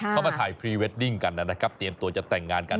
เขามาถ่ายพรีเวดดิ้งกันนะครับเตรียมตัวจะแต่งงานกัน